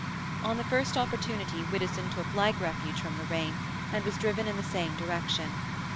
On the first opportunity Widdowson took like refuge from the rain, and was driven in the same direction.